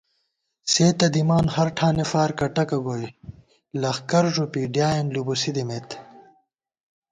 سے تہ دِمان ہر ٹھانے فار کٹَکہ گوئے ، لخکر ݫُوپی ڈیائېن لُوبُوسی دِمېت